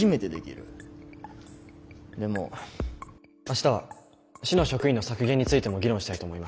明日は市の職員の削減についても議論したいと思います。